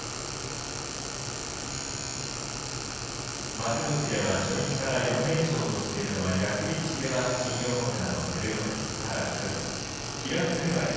幕内では初日から４連勝としているのは役力士では新横綱の照ノ富士ただ１人平幕では霧